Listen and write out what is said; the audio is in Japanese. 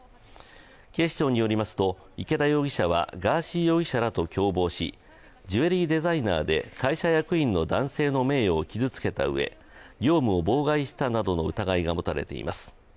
警視庁によりますと、池田容疑者はガーシー容疑者らと共謀しジュエリーデザイナーで会社役員の男性の名誉を傷つけたうえ業務を妨害したなどの疑いが持たれています。